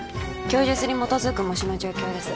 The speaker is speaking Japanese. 供述に基づく模試の状況です